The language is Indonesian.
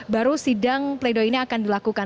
baru sidang pledoi ini akan dilakukan